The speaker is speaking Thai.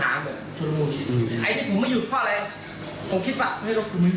อันนี้มันเจอปัญหาแบบอุเคียง